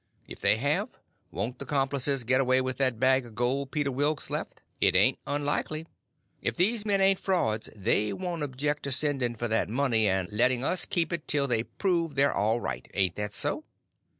If they have, won't the complices get away with that bag of gold Peter Wilks left? It ain't unlikely. If these men ain't frauds, they won't object to sending for that money and letting us keep it till they prove they're all right—ain't that so?"